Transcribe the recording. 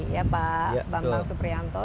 ya pak bambang suprianto